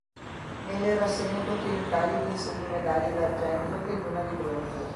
Nelle rassegne continentali vinse due medaglie d'argento ed una di bronzo.